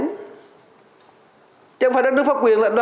chứ không phải đất nước pháp quyền là nó ban hành